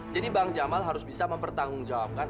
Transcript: jadi bang jamal harus bisa mempertanggung jawabkan